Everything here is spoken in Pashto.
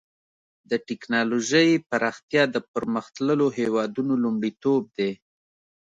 د ټکنالوجۍ پراختیا د پرمختللو هېوادونو لومړیتوب دی.